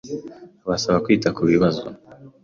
abasaba kwita ku bibazo